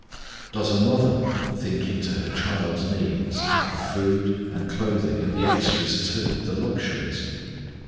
Does a mother think into her child's needs, the food, and clothing and the extras too, the luxuries?